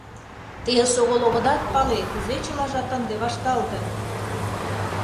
Те эсогыл огыдат пале, кузе чылажат ынде вашталтын!